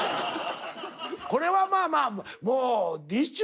これはまあまあもうＤＩＳＨ／／